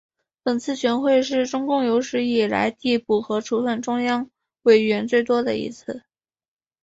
本次全会是中共有史以来递补和处分中央委员最多的一次。